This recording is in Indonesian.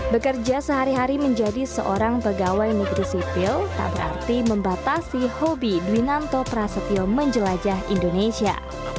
bekerja sehari hari menjadi seorang pegawai negeri sipil tak berarti membatasi hobi dwinanto prasetyo menjelajah indonesia